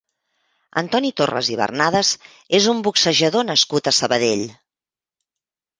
Antoni Torres i Bernades és un boxejador nascut a Sabadell.